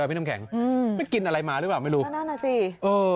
พี่น้ำแข็งอืมไปกินอะไรมาหรือเปล่าไม่รู้ก็นั่นน่ะสิเออ